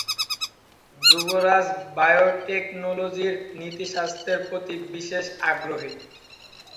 যুবরাজ বায়োটেকনোলজির নীতিশাস্ত্রের প্রতি বিশেষ আগ্রহী।